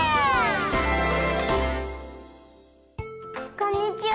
こんにちは。